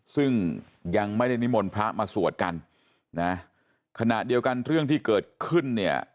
ซึ่งยังไม่ได้นิมนต์พระมาสวดกันนะขณะเดียวกันเรื่องที่เกิดขึ้นเนี่ย